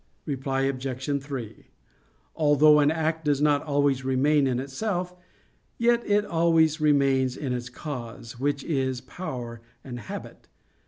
Reply Obj. 3: Although an act does not always remain in itself, yet it always remains in its cause, which is power and habit.